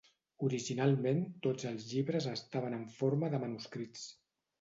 Originalment, tots els llibres estaven en forma de manuscrits.